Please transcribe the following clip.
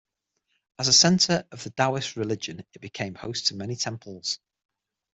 As a centre of the Daoist religion it became host to many temples.